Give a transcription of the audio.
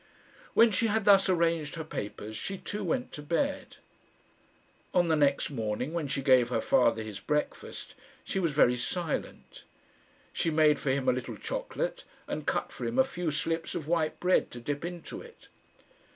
When she had thus arranged her papers, she too went to bed. On the next morning, when she gave her father his breakfast, she was very silent. She made for him a little chocolate, and cut for him a few slips of white bread to dip into it.